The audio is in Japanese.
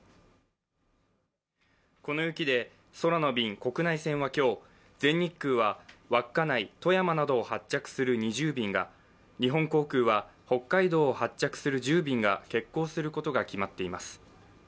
この雪で空の便、国内線は今日、全日空は稚内、富山などを発着する２０便が日本航空は北海道を発着する１０便が欠航することが決まっています。